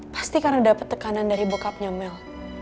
pasti karena dapat tekanan dari bokapnya mel